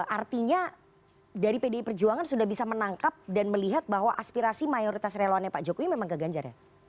artinya dari pdi perjuangan sudah bisa menangkap dan melihat bahwa aspirasi mayoritas relawannya pak jokowi memang ke ganjar ya